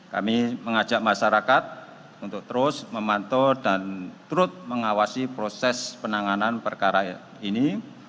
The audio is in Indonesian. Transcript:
kami mengajak masyarakat untuk terus memantau dan terus mengawasi proses penanganan perkara ini